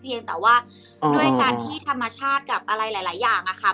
ยังแต่ว่าด้วยการที่ธรรมชาติกับอะไรหลายอย่างอะค่ะ